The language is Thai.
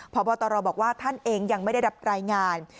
พบตรบอกว่าท่านเองยังไม่ได้รับรายงาน